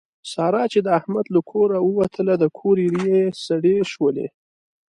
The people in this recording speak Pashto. ساره چې د احمد له کوره ووتله د کور ایرې یې سړې شولې.